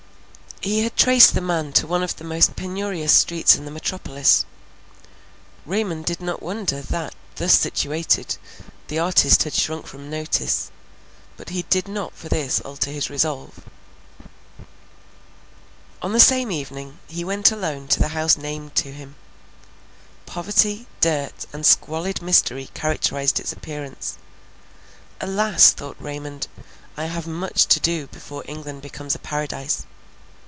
He had traced the man to one of the most penurious streets in the metropolis. Raymond did not wonder, that, thus situated, the artist had shrunk from notice, but he did not for this alter his resolve. On the same evening, he went alone to the house named to him. Poverty, dirt, and squalid misery characterized its appearance. Alas! thought Raymond, I have much to do before England becomes a Paradise.